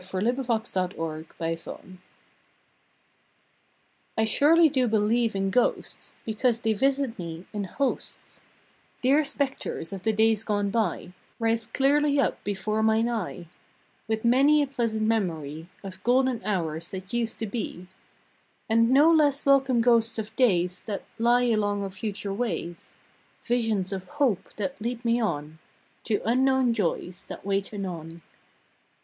September Fourth GHOSTS T SURELY do believe in ghosts Because they visit me in hosts Dear Specters of the days gone by Rise clearly up before mine eye With many a pleasant memory Of golden hours that used to be; And no less welcome ghosts of days That lie along our future ways Visions of Hope that lead me on To unknown joys that wait anon.